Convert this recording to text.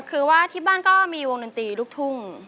คือว่าที่บ้านก็มีวงดนตรีลูกทุ่ง